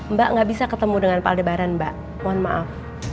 mbak gak bisa ketemu dengan pak aldebaran mbak mohon maaf